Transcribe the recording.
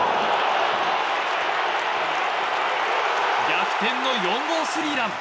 逆転の４号スリーラン！